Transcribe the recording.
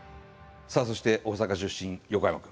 さあそして大阪出身横山君。